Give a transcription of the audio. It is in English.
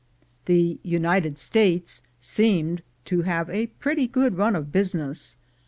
The "United States" seemed to have a pretty good run of business.